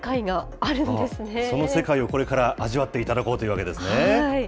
その世界をこれから、味わっていただこうというわけですね。